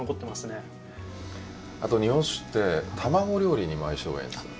あと日本酒って卵料理にも相性がいいんですよ。